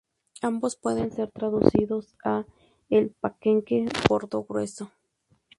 Ambos pueden ser traducidos a "El panqueque gordo grueso".